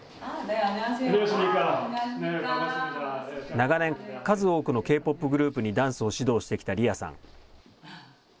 長年、数多くのＫ−ＰＯＰグループにダンスを指導してきたリアさん。